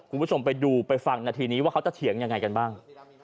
คุณผู้ชมไปดูไปฟังนาทีนี้ว่าเขาจะเถียงยังไงกันบ้าง